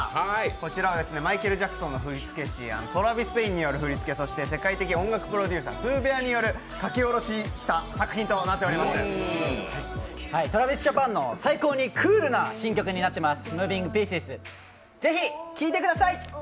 こちらはマイケル・ジャクソンの振り付け師、トラビス・ペインによる振り付け、世界的音楽プロデューサーＰｏｏＢｅａｒによる書き下ろしした作品となっております、ＴｒａｖｉｓＪａｐａｎの最高にクールな新曲になっています